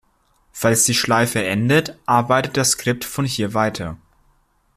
Falls die Schleife endet, arbeitet das Skript von hier weiter.